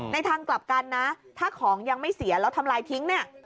ทางกลับกันนะถ้าของยังไม่เสียแล้วทำลายทิ้งเนี่ย